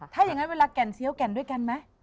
ถ้าอย่างนั้นเวลาแก่นเซี้ยวแก่นด้วยกันไหม